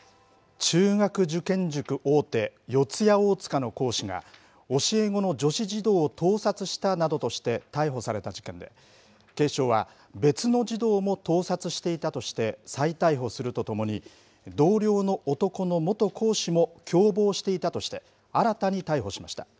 中学受験塾大手、四谷大塚の講師が、教え子の女子児童を盗撮したなどとして逮捕された事件で、警視庁は別の児童も盗撮していたとして再逮捕するとともに、同僚の男の元講師も共謀していたとして、新たに逮捕しました。